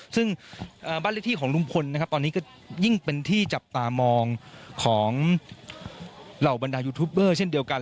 ซึ่งบ้านเลขที่ของลุงพลนะครับตอนนี้ก็ยิ่งเป็นที่จับตามองของเหล่าบรรดายูทูปเบอร์เช่นเดียวกัน